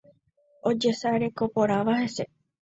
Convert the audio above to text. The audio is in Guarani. ojesarekoporãva hese